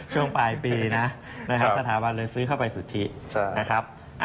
ช่วงปลายปีนะครับสถาบันเลยซื้อเข้าไปสุทธินะครับ